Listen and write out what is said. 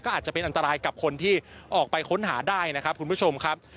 อาจจะเป็นอันตรายกับคนที่ออกไปค้นหาได้นะครับคุณผู้ชมครับ